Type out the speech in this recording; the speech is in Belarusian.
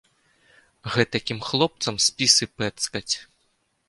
Гэтакім хлопцам спісы пэцкаць.